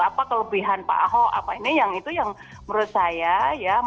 apa kelebihan pak ahok apa ini yang itu yang menurut saya ya